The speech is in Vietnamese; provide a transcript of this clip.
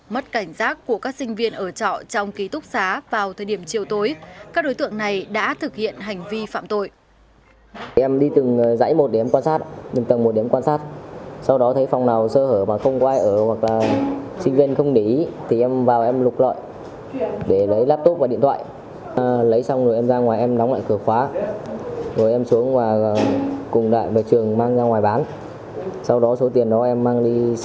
mất cảnh giác của các sinh viên ở trọ trong ký túc xá vào thời điểm chiều tối các đối tượng này đã thực hiện hành vi phạm tội